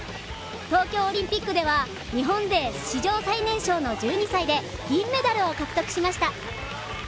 東京オリンピックでは、日本勢史上最年少の１２歳で銀メダルを獲得しました。